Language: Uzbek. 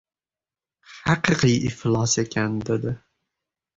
— Haqiqiy iflos ekan! — dedi.